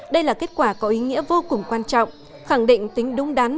đây là kết quả có ý nghĩa vô cùng quan trọng khẳng định tính đúng đắn